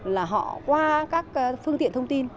là họ qua các phương tiện thông tin